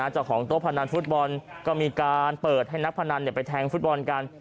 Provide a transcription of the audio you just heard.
เจ้าของโต๊ะพนันฟุตบอลก็มีการเปิดให้นักพนันไปแทงฟุตบอลกัน